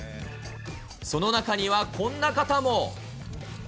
その中にはこんな方も。